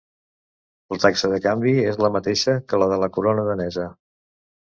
La taxa de canvi és la mateixa que la de la corona danesa.